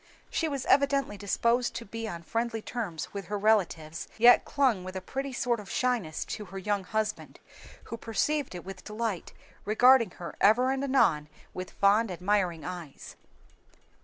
She was evidently disposed to be on friendly terms with her new relatives, yet clung with a pretty sort of shyness to her young husband, who perceived it with delight, regarding her ever and anon with fond, admiring eyes.